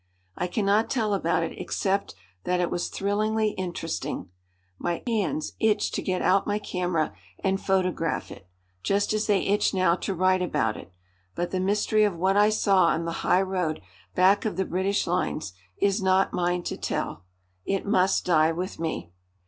I cannot tell about it except that it was thrillingly interesting. My hands itched to get out my camera and photograph it, just as they itch now to write about it. But the mystery of what I saw on the highroad back of the British lines is not mine to tell. It must die with me!